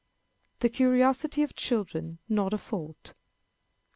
The Curiosity of Children not a Fault.